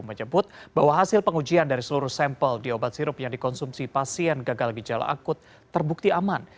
menyebut bahwa hasil pengujian dari seluruh sampel di obat sirup yang dikonsumsi pasien gagal ginjal akut terbukti aman